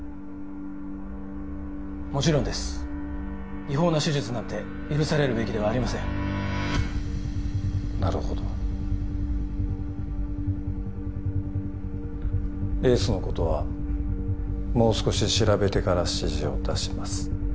もちろんです違法な手術なんて許されるべきではありませんなるほどエースのことはもう少し調べてから指示を出します